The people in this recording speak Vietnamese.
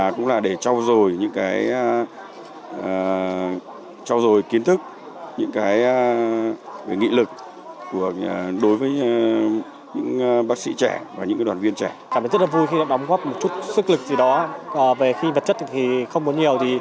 cảm thấy rất là vui khi đóng góp một chút sức lực gì đó về vật chất thì không có nhiều